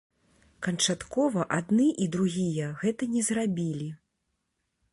Канчаткова адны і другія гэта не зрабілі.